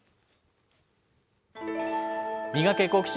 ミガケ、好奇心！